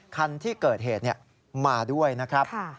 คันที่เกิดเหตุมาด้วยนะครับ